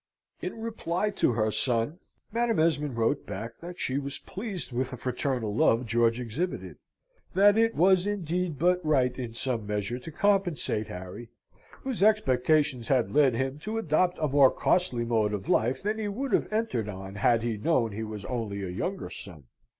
In reply to her son, Madam Esmond wrote back that she was pleased with the fraternal love George exhibited; that it was indeed but right in some measure to compensate Harry, whose expectations had led him to adopt a more costly mode of life than he would have entered on had he known he was only a younger son.